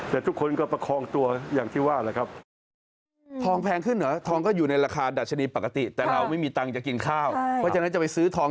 แต่ทุกคนก็ประคองตัวอย่างที่ว่าแหละครับ